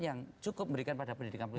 yang cukup memberikan pada pendidikan pendidikan